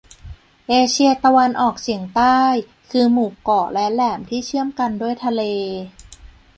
เอเชียตะวันออกเฉียงใต้คือหมู่เกาะและแหลมที่เชื่อมกันด้วยทะเล